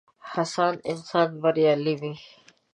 هڅاند انسان بريالی وي.